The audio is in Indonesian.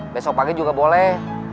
besok pagi juga boleh